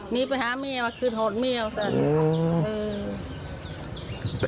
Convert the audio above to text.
หนีไปหาเมียว่าคืนห่วงเมียเขาสักนี่ครับ